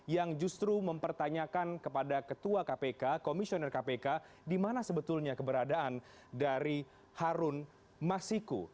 yang justru mempertanyakan kepada ketua kpk komisioner kpk di mana sebetulnya keberadaan dari harun masiku